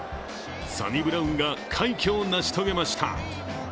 サニブラウンが快挙を成し遂げました。